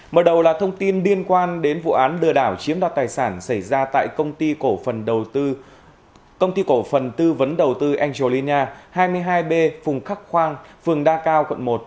mở đầu là thông tin liên quan đến vụ án đừa đảo chiếm đoạt tài sản xảy ra tại công ty cổ phần tư vấn đầu tư angelina hai mươi hai b phùng khắc khoang phường đa cao quận một